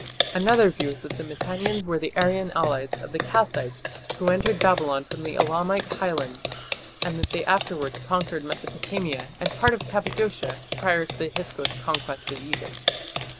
Another view is that the Mitannians were the Aryan allies of the Kassites who entered Babylon from the Elamite highlands, and that they afterwards conquered Mesopotamia and part of Cappadocia prior to the Hyksos conquest of Egypt.